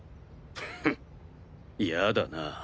フッやだなぁ。